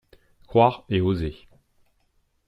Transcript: Croire et oser